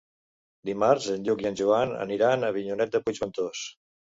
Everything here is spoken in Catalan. Dimarts en Lluc i en Joan aniran a Avinyonet de Puigventós.